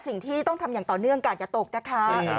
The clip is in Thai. สิ่งที่ต้องทำอย่างต่อเนื่องกาดอย่าตกนะคะ